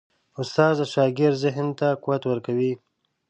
استاد د شاګرد ذهن ته قوت ورکوي.